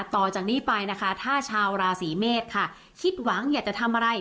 ต่อจากนี้ไปนะคะถ้าชาวราศีเมษค่ะคิดหวังอยากจะทำอะไร